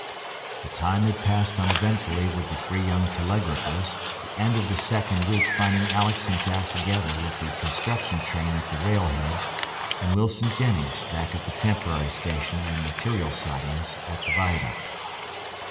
The time had passed uneventfully with the three young telegraphers, the end of the second week finding Alex and Jack together with the construction train at the rail head, and Wilson Jennings back at the temporary station and material sidings at the viaduct.